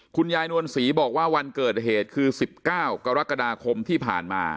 คุณยายนวลศรีบอกว่าวันเกิดเหตุคือสิบเก้ากรกฎาคมที่ผ่านมา